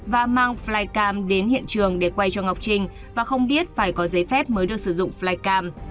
và mang flycam đến hiện trường để quay cho ngọc trinh và không biết phải có giấy phép mới được sử dụng flycam